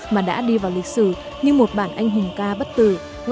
mà đã đi vào lịch sử như một bản anh hùng ca bất tử